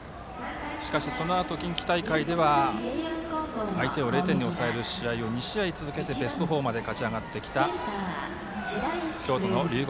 しかしそのあと近畿大会では相手を０点に抑える試合を２試合続けてベスト４まで勝ち上がってきた京都の龍谷